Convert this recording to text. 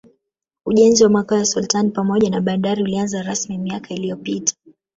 Ujenzi wa Makao ya Sultani pamoja na bandari ulianza rasmi miaka iliyopita